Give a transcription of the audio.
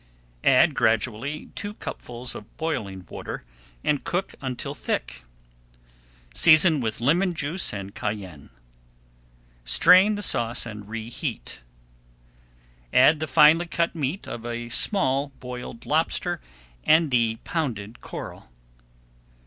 Add gradually two cupfuls of boiling water and cook until thick. Season with lemon juice and cayenne. Strain the sauce and reheat. Add the finely cut meat of a small boiled lobster and the pounded coral.